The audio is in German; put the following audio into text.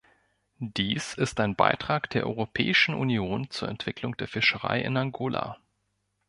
Dies ist ein Beitrag der Europäischen Union zur Entwicklung der Fischerei in Angola.